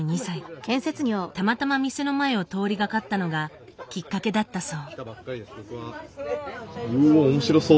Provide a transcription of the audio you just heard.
たまたま店の前を通りがかったのがきっかけだったそう。